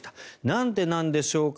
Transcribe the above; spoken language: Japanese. なんでなんでしょうか。